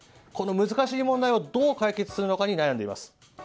この難しい問題をどう解決するのかに悩んでいます。